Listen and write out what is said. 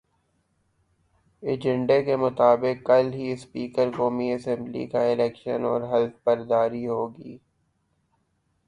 ایجنڈے کے مطابق کل ہی اسپیکر قومی اسمبلی کا الیکشن اور حلف برداری ہوگی۔